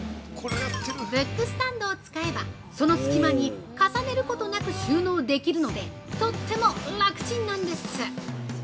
ブックスタンドを使えば、その隙間に重ねることなく収納できるのでとってもラクチンなんです！